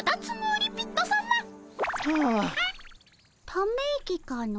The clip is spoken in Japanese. ため息かの。